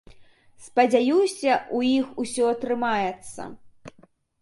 Спадзяюся, у іх усё атрымаецца.